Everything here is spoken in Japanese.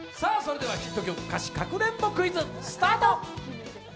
「ヒット曲歌詞かくれんぼクイズ」スタート！